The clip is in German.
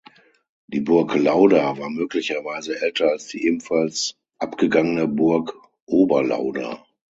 Die Burg Lauda war möglicherweise älter als die ebenfalls abgegangene Burg Oberlauda.